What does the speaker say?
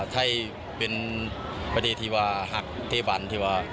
ไทยเป็นประเทศที่หักเทบัน